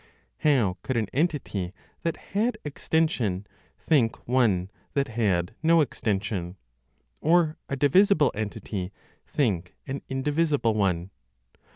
How could an entity that had extension think one that had no extension? Or a divisible entity, think an indivisible one?